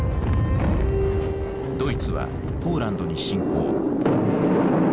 ドイツはポーランドに侵攻。